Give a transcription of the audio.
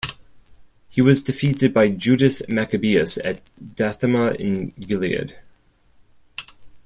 He was defeated by Judas Maccabeus at Dathema in Gilead.